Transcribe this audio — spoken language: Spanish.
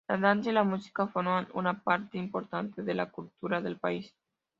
La danza y la música forman una parte importante de la cultura del país.